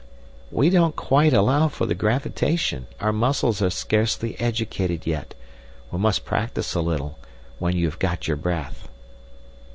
"We don't quite allow for the gravitation. Our muscles are scarcely educated yet. We must practise a little, when you have got your breath."